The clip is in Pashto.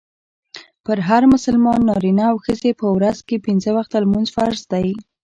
پر هر مسلمان نارينه او ښځي په ورځ کي پنځه وخته لمونځ فرض دئ.